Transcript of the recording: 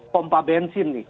pempa bensin nih